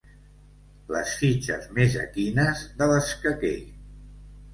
Les fitxes més equines de l'escaquer.